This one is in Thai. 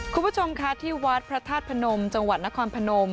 คุณผู้ชมค่ะที่วัดพระธาตุพนมจังหวัดนครพนม